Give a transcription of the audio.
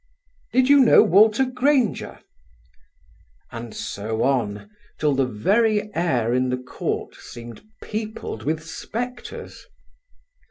"Did you know Walter Grainger?"... and so on till the very air in the court seemed peopled with spectres.